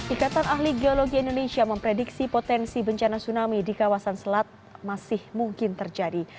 ikatan ahli geologi indonesia memprediksi potensi bencana tsunami di kawasan selat masih mungkin terjadi